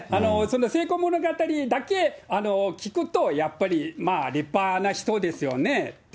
成功物語だけ聞くと、やっぱりまあ、立派な人ですよねって。